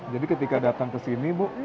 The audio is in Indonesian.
jadi ketika datang ke sini bu